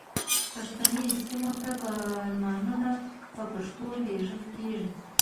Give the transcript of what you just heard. پښتني سیمو ته فرمانونه په پښتو لیږل کیږي.